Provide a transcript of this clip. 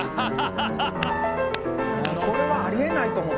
「これはありえないと思ったもん」